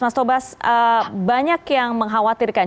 mas tobas banyak yang mengkhawatirkan